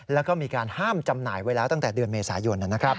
แล้วก็มีการห้ามจำหน่ายไว้แล้วตั้งแต่เดือนเมษายน